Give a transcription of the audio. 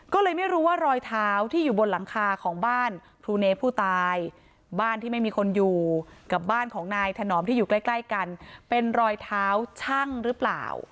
ก็เลยไม่รู้ว่ารอยเท้าที่อยู่บนหลังคาของบ้านครูเนผู้ตายบ้านที่ไม่มีคนอยู่กับบ้านของนายถนอมที่อยู่ใกล้ใกล้กันเป็นรอยเท้าชั่งหรือเปล่า